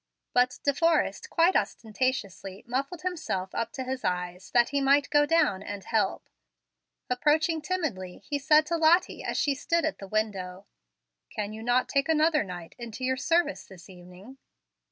But De Forrest quite ostentatiously muffled himself up to his eyes, that he might go down and "help." Approaching timidly, he said to Lottie as she stood at the window, "Can you not take another knight into your service this evening?"